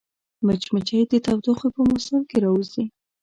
مچمچۍ د تودوخې په موسم کې راووځي